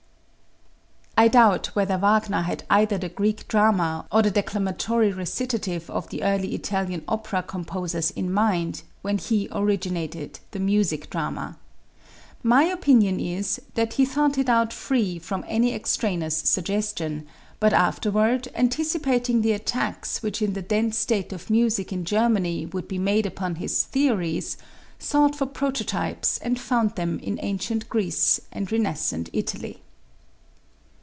I doubt whether Wagner had either the Greek drama or the declamatory recitative of the early Italian opera composers in mind when he originated the music drama. My opinion is that he thought it out free from any extraneous suggestion, but afterward, anticipating the attacks which in the then state of music in Germany would be made upon his theories, sought for prototypes and found them in ancient Greece and renascent Italy.